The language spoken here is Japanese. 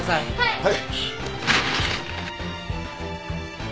はい。